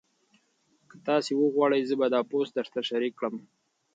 که تاسي وغواړئ زه به دا پوسټ درسره شریک کړم.